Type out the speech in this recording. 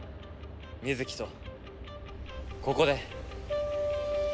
水城とここで。